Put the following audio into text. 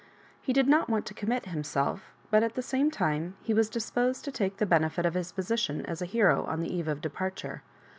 He did not want to commit himself but at the same time he was disposed to take the benefit of his position as a hero on the eve of departure.